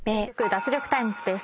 脱力タイムズ』です。